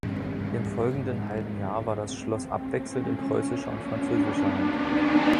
Im folgenden halben Jahr war das Schloss abwechselnd in preußischer und französischer Hand.